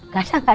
gak ada gak ada